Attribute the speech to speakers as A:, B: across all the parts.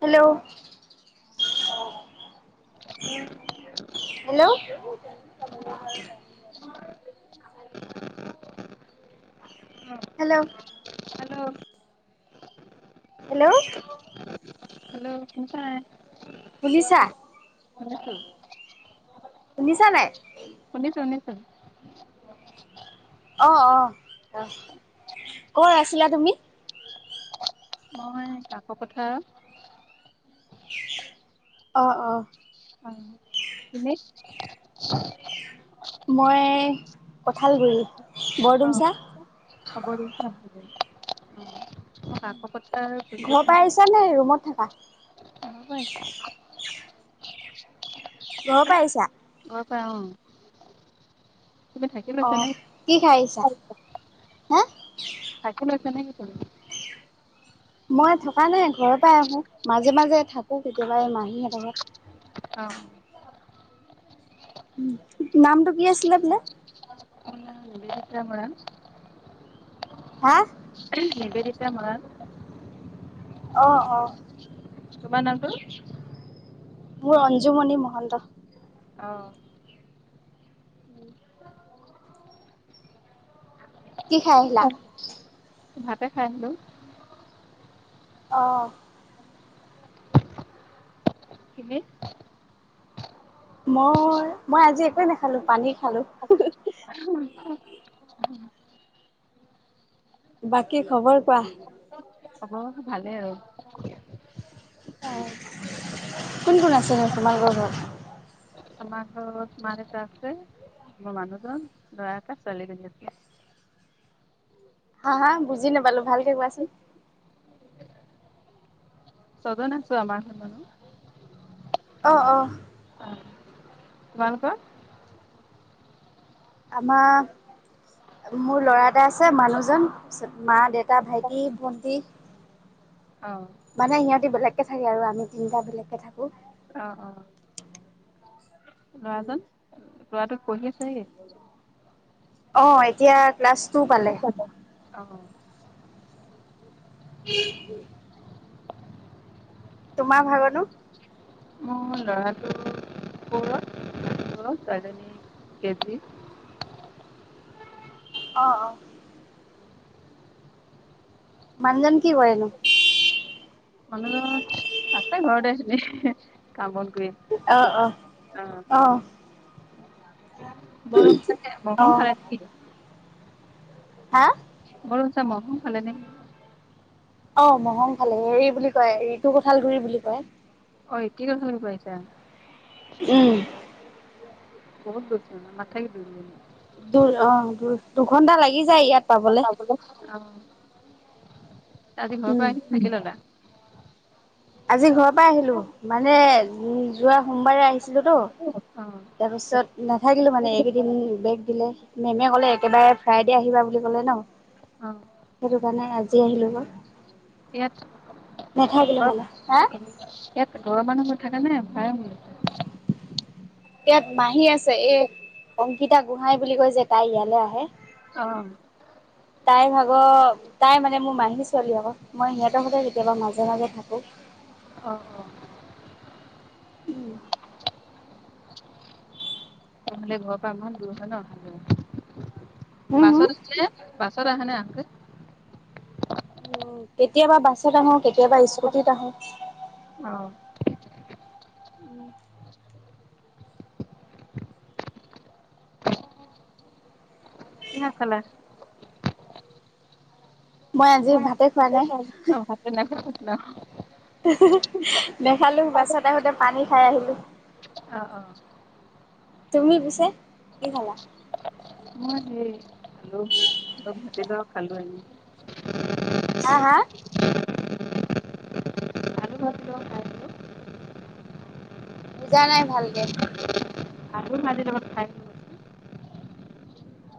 A: Hello hello উ hello hello
B: hello কোন চানে
A: শুনিছা শুনিছা নাই
B: উননিছ উন্নিছ
A: অ অ আহ কত আছিলা তুমি
B: মই কাকো কথা আৰু
A: অ অ
B: অনে
A: মই কঁঠালগুৰি বৰদুমচা
B: উম
A: ঘৰ পৰা আহিছা নে ৰুমত থকা
B: অ পৈছ
A: ঘৰ পাৰিছা
B: অ পৰা তুমি থাকি
A: অ
B: লৈছা নে
A: কি খাই আহিছা হা
B: থাকে লৈছে নেকি তমি
A: মই থকা নাই ঘৰৰ পৰাই আহো মাজে মাজে থাকো কেতিয়াবা এই মাহীহঁতত
B: অ
A: নামটো কি আছিলে বোলে
B: ম
A: হা
B: সেইবেেততি ম
A: আহ অ
B: কমান নটো
A: মোৰ অঞ্জুমণি মহন্ত
B: অ
A: কি খাইলা
B: ভাতে খাই আহিলো
A: অ'
B: কিনে
A: মই মই আজি একোৱে নাখালো পানী খালো বাকী খবৰ কোৱা
B: ভালে আৰু
A: অ কোন কোন আছে নছেো মালগ ঘৰত
B: মাৰ তছে মোৰ মানুহজন দয়াক চলি গছিল
A: হা হা বুজি নাপালো ভালকে কোৱাচোন
B: চদ নছ ম নানো
A: আহ আহ
B: ভালক
A: আম মোৰ ল'ৰা এটা আছে মানুহজনত মা দেউতা ভাইটি ভন্টি
B: অ
A: মানে ইিহঁতি বেলেগকে থাকে আৰু আমি তিনিটা বেলেগকে থাকো
B: অ অ ল'ৰাজন ল'ৰাটোোক পঢ়ি আছেহি
A: অ এতিয়া ক্লাছ টু পালে
B: অ
A: উ তোমাৰ ভাগনো
B: অ ল'ৰাটো তদনেী কেজি
A: অ অ মানুজন কি কৰেনো
B: মানুজন আছে ঘৰতে আছিলি কাম কৰি
A: অহ অহ
B: অ
A: অহ অ
B: [unintelligible]
A: হা
B: [unintelligible]
A: অ মহং ফালে হেৰি বুলি কয় ৰিঋতু কোঁঠাল গুৰি বুলি কয়
B: অঐ কি কচ পাইছা
A: উম
B: বহুত গুখনা মাথা কি পিল দে
A: দূৰ অ দূ দুঘন্টা লাগি যায় ইয়াত পাবলে।
B: [unintelligible] আদি ঘৰ
A: উম,
B: পৰা আহি থাকিললা
A: আজি ঘৰৰ পৰা আহিলো মানে উ যোৱা সোমবাৰে আহিছিলো তো
B: অ',
A: তাৰপিছত নাথাকিলো মানে এইকেইদিন বেগ দিলে মেমে কলে একেবাৰে ফ্ৰাইডে আহিবা বুলি কলে ন
B: অ'
A: সেইটো কাৰণে আজি আহিলো ম
B: এটা
A: নেথাকিলে মানে হা
B: ইয়াত দূৰৰ মানুহ হৈ থাকে নে ভাৰা
A: ইয়াত মাহী আছে এ অংকিতা গোহাঁই বুলি কৈ যে তাই ইয়ালৈ আহে
B: অ',
A: তাই ভাগৰ তাই মানে মোৰ মাহী ছোৱালী আক মই সিহঁতৰ সতে কেতিয়াবা মাজে মাজে থাকো [unintelligible]
B: অ
A: উম
B: তেহলে ঘৰৰ পৰা ইমান দূৰ হয় নহাল
A: হম, হম,
B: বাছত উঠিলে বাছত আহা নে আক
A: উ কেতিয়াবা বাছেত আহো কেতিয়াবা স্কুটিত আহো [inaudible]
B: অ' কি খালা
A: মই আজি ভাতে খোৱা নাই
B: [unintelligible]
A: নেখালো বাছত আহোতে পানী খাই আহিলো
B: অ অ
A: তুমি পিছে কি খালা
B: [unintelligible]
A: হা হা
B: ৰ আৰু [inaudible]
A: বুজা নাই ভালকে
B: আৰু মাজিৰ লগত খাই থচোন [inaudible]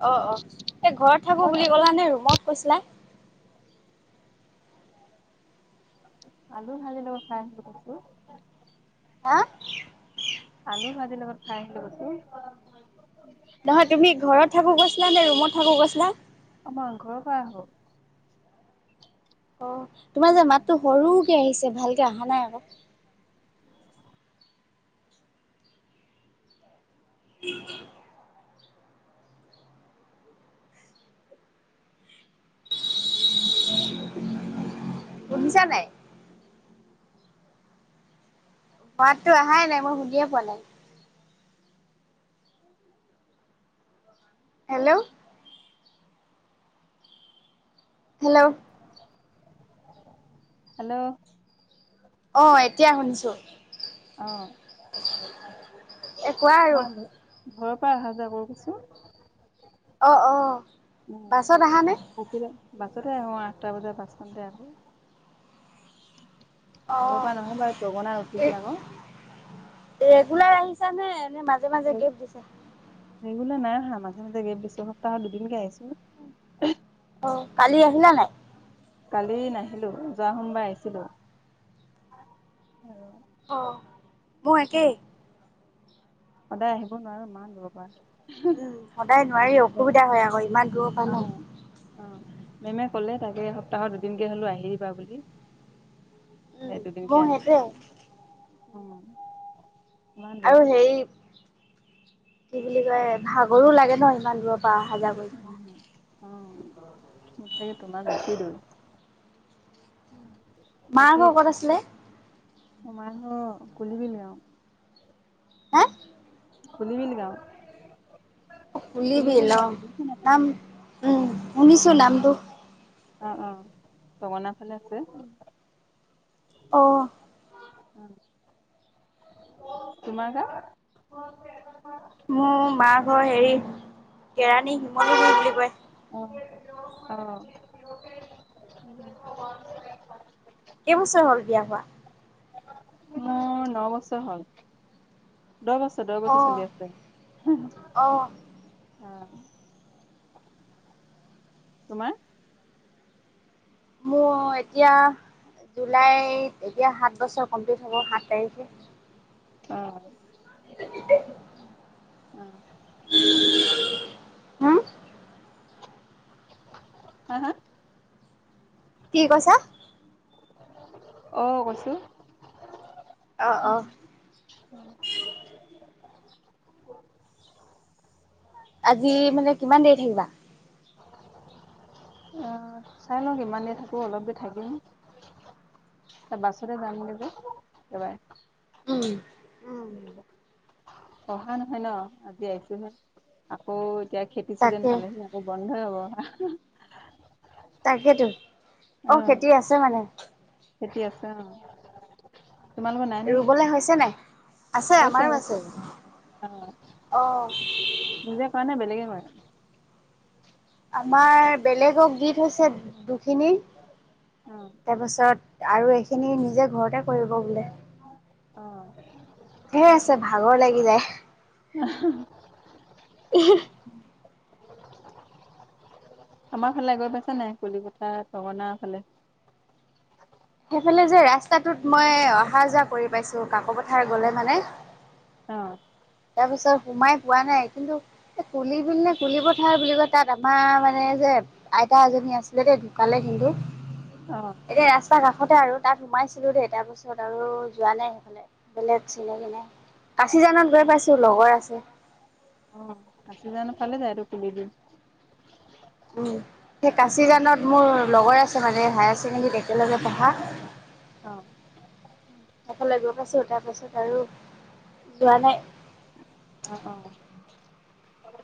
A: অ অ সে ঘৰত থাকো বুলি কলা
B: মই
A: নে ৰুমত কৈছিলা
B: আলু ভাজিৰ লগত খাই আহিলো কচু
A: হা [inaudible]
B: [unintelligible]
A: নহয় তুমি ঘৰত থাকো গৈছিলা নে ৰুমত থাকো গৈছিলা
B: অ মই ঘৰৰ পৰা আহো
A: অ তোমাৰ যে মাতটো সৰুকে আহিছে ভালকে আহা নাই আকৌ উম শুনিছা নাই মাতো অহাই নাই মই শুনিয়ে পোৱা নাই হেল্লো' হেল্লো'
B: হেল্লো'
A: আহ এতিয়াই শুনিছো
B: অ
A: একুৱা আৰু
B: মই ঘৰৰ পৰাাই আহহা যায় কৰ কচোন
A: অ অ
B: উ
A: বাছত আহানে
B: পখিলে বাছতে আহো আঠটা বজাত বাছখনানতে আহো
A: অ
B: ঘৰ পৰা নহয় বাৰু দগনা
A: এই
B: উঠছে আকৌ
A: ৰেগুলাৰ আহিছা নে নে মাজে মাজে গেফ্ট দিছা
B: ৰেগুলাৰ নাই অহা মাজে মাজে গে বিশছৰ সপ্তাহত দুদিনকে আহিছো
A: কালি আহিলা নাই।
B: কালি নাহিলো যোৱা সোমবাৰ আহিছিলো।
A: অ মই একেই
B: সদায় আহিব নোৱাৰো মা য পৰাাৰ
A: উম সদায় নোৱাৰি অসুবিধা হয় আকৌ ইমান দূৰৰ পৰা
B: অ
A: ন
B: অ মেমে ক'লে তাকে সপ্তাহৰ দুদিনকে হ'লো আহি দিবা বুলি
A: উম,
B: এই দুদিনকে
A: মোৰ
B: আহি
A: সেইটোৱে
B: দিছে উম ইমান
A: আৰু
B: দূৰত
A: হে কি বুলি কয় ভাগৰো লাগে ন ইমান দূৰত প হাজাৰ বৈচৰা
B: উ ম থাকে তোমাৰ বেছি দূৰ
A: মাৰ ঘৰ কত আছিলে
B: ম মাইহ কুলিব আৰু
A: হা
B: পুলিৱেল গা
A: খুলিবি ল নাম
B: নাই
A: উম শুনিছো নামটো
B: অ অ ঙনা ফালে আছে
A: অ'
B: উম তোমাৰ গা
A: মোৰ মা ঘৰ হেৰি কেৰাণী শিমলু বুলি কয়
B: অহ
A: কেইবছৰ হ'ল বিয়া হোৱা
B: মোৰ নৱসহল দহ বছৰ দহ বছৰ
A: অ',
B: চলি আছে
A: অ'।
B: আহ তোমাৰ
A: মোৰ এতিয়া জুলাইত এতিয়া সাত বছৰ কমপ্লিট হ'ব সাত তাৰিখে
B: অহ
A: হম
B: হা হা
A: কি কৈছা
B: অ কৈছো
A: অহ অহ আজি মানে কিমান দেৰি থাকিবা
B: আহ চাই লওঁ কিমান দে থাকো অলপ দে থাকিম ত বাছৰে যাম দিব এবাই
A: উম উম,
B: অহা নহয় ন আজি আহিছোহে আকৌ এতিয়া খেতি চিজন
A: তাকে
B: পালেহি আকৌ বন্ধই হ'ব
A: তাকেইেতো অ খেতি আছে মানে
B: খেতি আছে অ তোমালোকৰ নাই নেকি
A: ৰুবলৈ হৈছে নাই? আছে
B: কৈছো
A: আমাৰো আছে।
B: কৈছে অ
A: অ',
B: নিজে কোৱা নে বেলেগে কয়?
A: আমাৰ বেলেগক গীত হৈছে দুখিনি
B: অ
A: তাৰপাছত- আৰু এইখিনি নিজে ঘৰতে কৰিব বোলে।
B: অ
A: সিয়ে আছে ভাগৰ লাগি যায়।
B: আহ।
A: উ [unintelligible]
B: আমাৰ ফালে গৈ পাইছ নে কলিকঠাৰ গনা ফালে-
A: সেইফালে যে ৰাস্তাটোত মই অহা যোৱা কৰি পাইছো কাক পথাৰ গলে মানে।
B: অ।
A: তাৰপিছত সোমাই পোৱা নাই কিন্তু কুলি বি নে কুলি পথাৰ বুলি কয় তাত আমাৰ মানে যে- আইতা এজনী আছিলে দে ঢুকালে কিন্তু
B: অ
A: এতিয়া ৰাস্তা- তে আৰু তাত সোমাইছিলো দেই তাৰপিছত আৰু যোৱা নাই সেইফালে বেলেগ চিনে কিনে- কাজিৰঙাত গৈ পাইছা? আছে।
B: অ আচি জানো ফালে যায় আৰু কুলি দিম।
A: উম সেই কাচিজানত মোৰ লগৰ আছে মানে। হাইাৰ চকেণ্ডী একেলগে পঢ়া
B: অ
A: একেলগে - তাৰপাছত আৰু যোৱা নাই
B: অ অ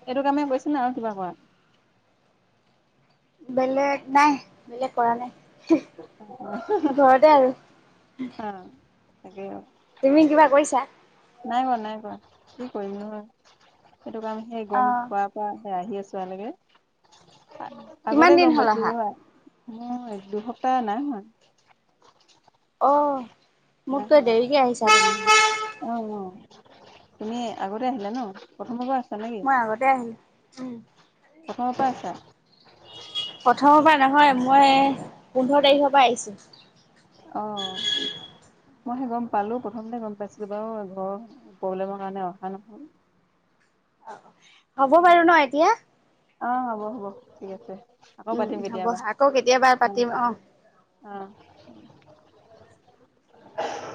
B: এইটো কামেই কৰিছে না আৰু কিবা কৰা-
A: বেলেগ - নাই বেলেগ কৰা
B: অ
A: নাই ঘৰতে আৰু-
B: তাকে-
A: তুমি কিবা কৰিছা -
B: নাই কৰাৱা নাই কৰাোৱা কি কৰিম নহয় সেইটো কাম সেই
A: অ
B: গম পোৱাৰ পৰা- আহি আছো আালকে
A: কিমান
B: আগতে
A: দিন
B: গম
A: হ'ল অহা
B: পাইছিলো। মই এক দুসপ্তাহ নাই হয়।
A: অ মোতকৈ
B: হোৱা।
A: দেৰিকে আহিছা।
B: অ অ তুমি আগতে আহিলা ন প্ৰথমৰ পৰা আছা।
A: মই আগতে আহিলো উম।
B: কখনৰ পৰা আছা?
A: প্ৰথমৰ পৰা নহয় মই পোন্ধৰ তাৰিখৰ পৰা আহিছোঁ। [inaudible]
B: অ মই সে গম পালো প্ৰথমতে গম পাইছিলো বাৰু ঘৰৰ প্ৰব্লেমৰ কাৰণে অহা নহল।
A: হয়। হ'ব বাৰু ন এতিয়া।
B: অ হ'ব হ'ব ঠিক আছে। আকৌ
A: উম
B: পাতিম
A: হ'ব
B: কেতিয়াবা
A: আকৌ কেতিয়াবা
B: অ
A: পাতিম আহ
B: অ। [inaudible]